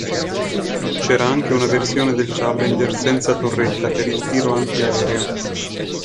C'era anche una versione del Challenger senza torretta per il tiro antiaereo.